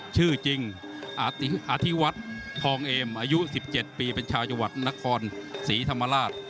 ชื่อจริงอธิวัฒน์ทองเอมอายุ๑๗ปีเป็นชาวจังหวัดนครศรีธรรมราช